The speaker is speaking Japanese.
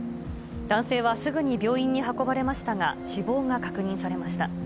男性はすぐに病院に運ばれましたが、死亡が確認されました。